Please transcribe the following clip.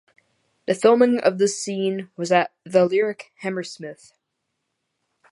The filming of this scene was at The Lyric Hammersmith.